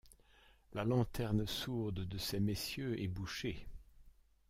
La lanterne sourde de ces messieurs est bouchée.